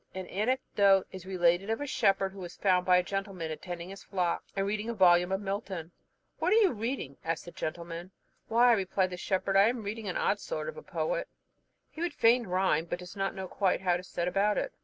An anecdote is related of a shepherd, who was found by a gentleman attending his flock, and reading a volume of Milton. "What are you reading?" asked the gentleman. "Why," replied the shepherd, "I am reading an odd sort of a poet; he would fain rhyme, but does not quite know how to set about it."